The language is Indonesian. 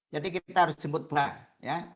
jadi kita harus jemput bahan